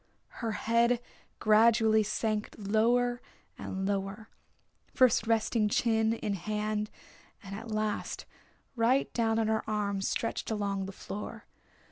Her head gradually sank lower and lower, first resting chin in hand and at last right down on her arm stretched along the floor.